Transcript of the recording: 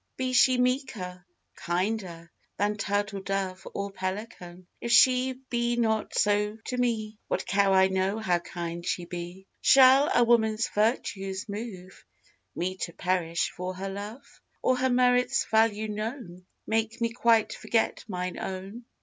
Be she meeker, kinder, than Turtle dove or pelican, If she be not so to me, What care I how kind she be? Shall a woman's virtues move Me to perish for her love? Or her merit's value known, Make me quite forget mine own?